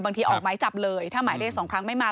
ออกหมายจับเลยถ้าหมายเรียกสองครั้งไม่มา